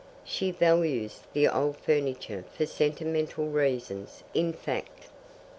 '" "She values the old furniture for sentimental reasons, in fact."